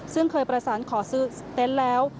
ซึ่งเคยประสานขอซื้อเต็นต์แล้ว